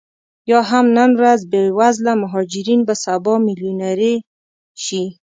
یا هم نن ورځ بې وزله مهاجرین به سبا میلیونرې شي